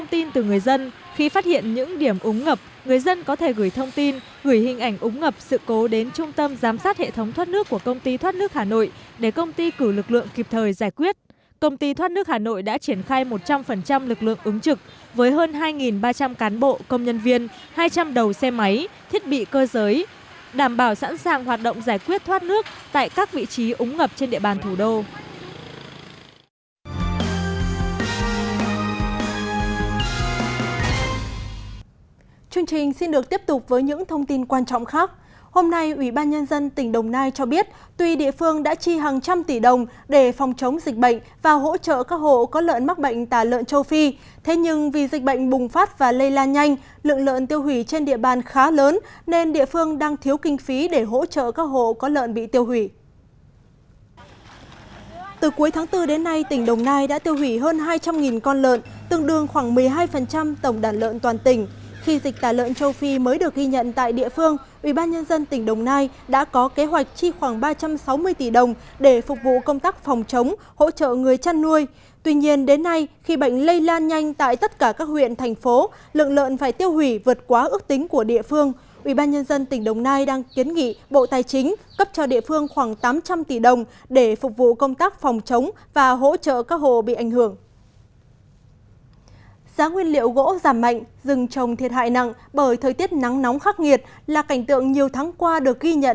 giá nguyên liệu gỗ giảm mạnh rừng trồng thiệt hại nặng bởi thời tiết nắng nóng khắc nghiệt là cảnh tượng nhiều tháng qua được ghi nhận tại khu vực miền trung điều này đã khiến cho người trồng rừng lao đao bởi gặp thiệt hại nặng nề